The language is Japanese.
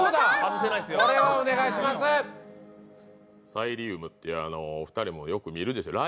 サイリウムって、お二人もよく見るでしょう。